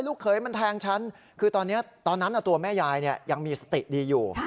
เขยมันแทงฉันคือตอนนั้นตัวแม่ยายยังมีสติดีอยู่